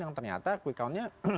yang ternyata kwi count nya